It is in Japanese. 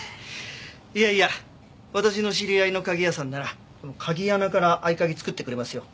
いやいや私の知り合いの鍵屋さんなら鍵穴から合鍵作ってくれますよ。